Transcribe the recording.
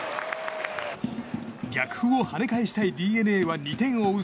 逆風を跳ね返したいＤｅＮＡは２点を追う